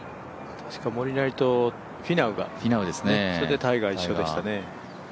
確かモリナリとフィナウと、タイガーも一緒でしたね。